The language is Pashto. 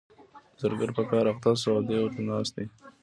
زرګر په کار اخته شو او دی ورته ناست دی.